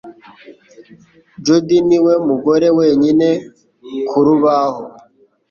Judy niwe mugore wenyine k’urubaho.